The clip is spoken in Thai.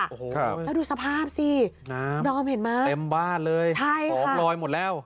โอ้โหแล้วดูสภาพสิน้ำเต็มบ้านเลยใช่ค่ะหมดแล้ว